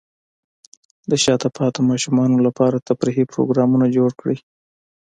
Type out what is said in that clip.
د شاته پاتې ماشومانو لپاره تفریحي پروګرامونه جوړ کړئ.